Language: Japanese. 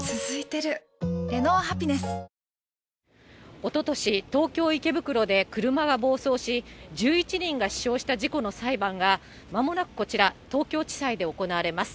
おととし、東京・池袋で車が暴走し、１１人が死傷した事故の裁判が、まもなくこちら、東京地裁で行われます。